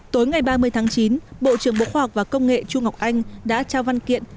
tối ngày ba mươi tháng chín bộ trưởng bộ khoa học và công nghệ chu ngọc anh đã trao văn kiện